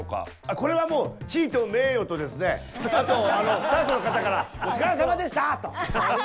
これはもうあとスタッフの方から「お疲れさまでした！」と。